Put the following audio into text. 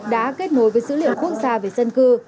đã kết nối với dữ liệu quốc gia về dân cư